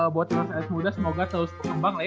buat mas muda semoga terus berkembang lah ya